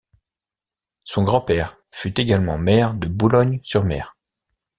Son grand-père fut également maire de Boulogne-sur-Mer.